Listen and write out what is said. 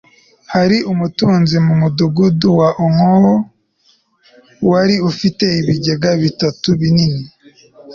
hari umutunzi mu mudugudu wa okonkwo wari ufite ibigega bitatu binini